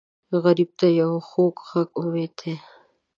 غریب ته یو خوږ غږ امید دی